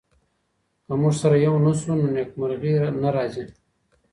که موږ سره يو نه سو نو نېکمرغي نه راځي.